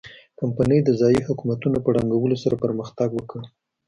کمپنۍ د ځايي حکومتونو په ړنګولو سره پرمختګ وکړ.